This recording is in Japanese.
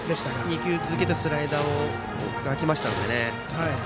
２球続けてスライダーが来ましたのでね。